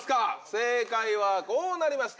正解はこうなりました。